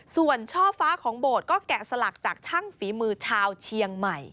ส่วนช่อฟ้าของโบสถ์ก็แกะสลักจากช่างฝีมือชาวเชียงใหม่